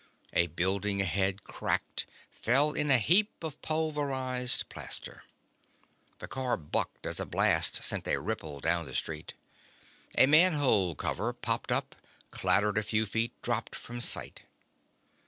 A building ahead cracked, fell in a heap of pulverized plaster. The car bucked as a blast sent a ripple down the street. A manhole cover popped up, clattered a few feet, dropped from sight.